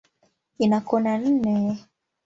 Ina kona nne.